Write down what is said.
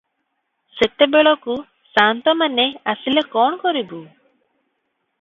ସେତେବେଳକୁ ସାନ୍ତମାନେ ଆସିଲେ କଣ କରିବୁ?